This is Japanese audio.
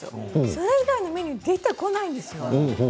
それ以外のメニューが出てこないんです。